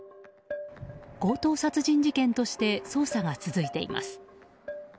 強盗殺人事件として捜査が続いています。